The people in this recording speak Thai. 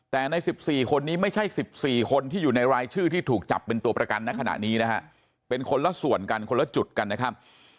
แต่ใน๑๔คนนี้ไม่ใช่๑๔คนที่อยู่ในรายชื่อที่ถูกจับเป็นตัวประกันในขณะนี้นะฮะเป็นคนละส่วนกันคนละจุดกันนะครับ